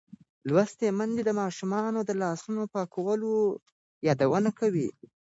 لوستې میندې د ماشومانو د لاسونو پاکولو یادونه کوي.